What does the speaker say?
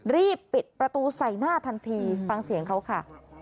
รีบปิดประตูใส่หน้าทันทีฟังเสียงเขาค่ะ